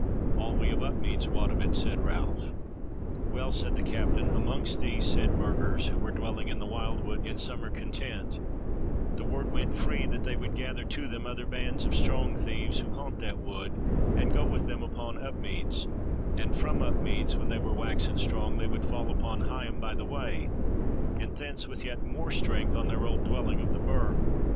"All we of Upmeads wot of it," said Ralph. "Well," said the Captain, "amongst these said Burgers, who were dwelling in the wildwood in summer content, the word went free that they would gather to them other bands of strong thieves who haunt that wood, and go with them upon Upmeads, and from Upmeads, when they were waxen strong, they would fall upon Higham by the Way, and thence with yet more strength on their old dwelling of the Burg.